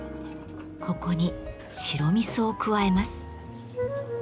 ここに白味噌を加えます。